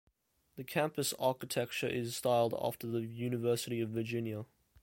The campus architecture is styled after the University of Virginia.